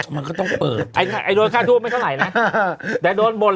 มันก็ต้องเปิดไอ้ไอ้โดนฆ่าทูบใหม่เท่าไหร่น่ะฮ่า่ะแต่โดนบ่น